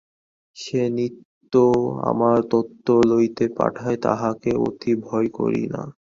সে নিত্য আমার তত্ত্ব লইতে পাঠায়, তাহাকে আমি ভয় করি না।